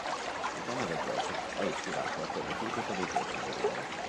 Il tema del gioco è ispirato a quello tipico dei giochi di ruolo.